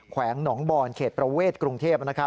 แขวงหนองบ่อนเขตประเวทกรุงเทพนะครับ